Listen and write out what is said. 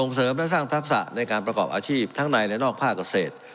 เสริมและสร้างทักษะในการประกอบอาชีพทั้งในและนอกภาคเกษตร